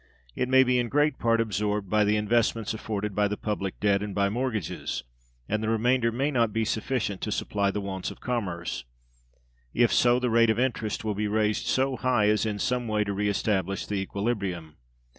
It may be in great part absorbed by the investments afforded by the public debt and by mortgages, and the remainder may not be sufficient to supply the wants of commerce. If so, the rate of interest will be raised so high as in some way to re establish the equilibrium.